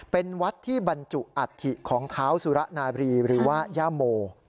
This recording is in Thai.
เป็นวัดที่บรรจุอัฐิของเท้าสุระนาบรีหรือว่าย่าโม